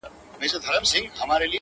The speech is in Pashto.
زه وايم راسه حوصله وكړو~